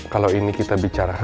kalau ini kita bicara